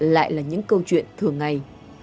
lại là những câu chuyện thường ngày